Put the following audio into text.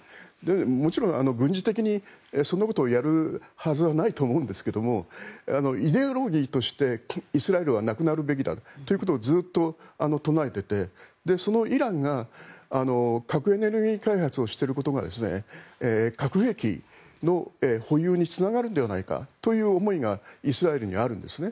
もちろん軍事的にそんなことをやるはずはないと思うんですがイデオロギーとしてイスラエルはなくなるべきだということをずっと唱えててそのイランが核エネルギー開発をしていることが核兵器の保有につながるんではないかという思いがイスラエルにあるんですね。